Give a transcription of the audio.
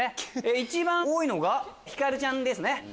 一番多いのがひかるちゃんです。